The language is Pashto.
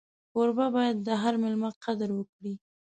کوربه باید د هر مېلمه قدر وکړي.